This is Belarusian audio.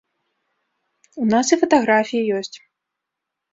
У нас і фатаграфіі ёсць.